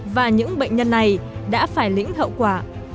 và những bệnh nhân này đã phải lĩnh hậu quả